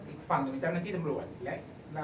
ก็ต้องฝากพี่สื่อมวลชนในการติดตามเนี่ยแหละค่ะ